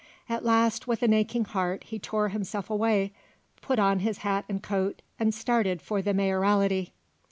At last with an aching heart he tore himself away, put on his hat and coat, and started for the Mayoralty.